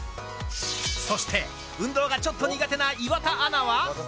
そして、運動がちょっと苦手な岩田アナは？